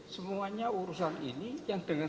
semuanya urusan ini yang dengan